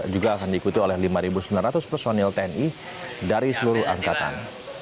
juga akan diikuti oleh lima sembilan ratus personil tni dari seluruh angkatan